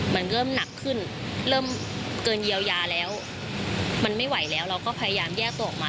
มันเริ่มหนักขึ้นเริ่มเกินเยียวยาแล้วมันไม่ไหวแล้วเราก็พยายามแยกตัวออกมา